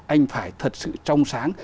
anh phải thật sự trong sáng